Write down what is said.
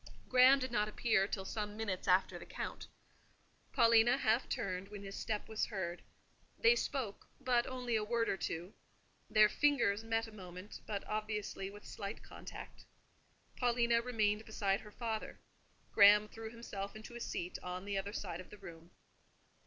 Graham did not appear till some minutes after the Count. Paulina half turned when his step was heard: they spoke, but only a word or two; their fingers met a moment, but obviously with slight contact. Paulina remained beside her father; Graham threw himself into a seat on the other side of the room.